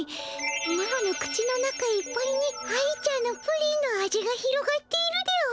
マロの口の中いっぱいに愛ちゃんのプリンの味が広がっているでおじゃる。